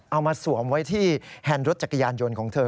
เอามาสวมไว้ที่แฮนด์รถจักรยานยนต์ของเธอ